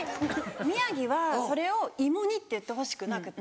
宮城はそれを芋煮って言ってほしくなくて。